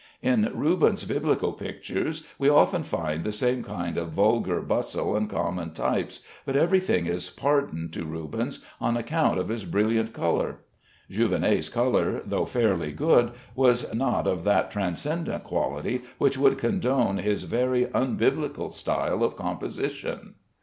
In Rubens' Biblical pictures we often find the same kind of vulgar bustle and common types, but every thing is pardoned to Rubens on account of his brilliant color. Jouvenet's color, though fairly good, was not of that transcendent quality which would condone his very unbiblical style of composition.